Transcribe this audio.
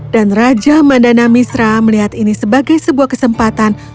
dan raja mandana misra melihat ini sebagai sebuah kesempatan